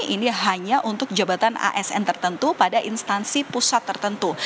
ini hanya untuk jabatan asn tertentu pada instansi pusat tertentu